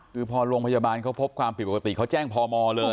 คือพอโรงพยาบาลเขาพบความผิดปกติเขาแจ้งพมเลย